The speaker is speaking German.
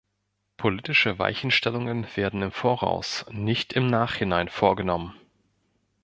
Politische Weichenstellungen werden im Voraus, nicht im Nachhinein vorgenommen.